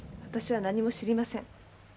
私は何も知りません。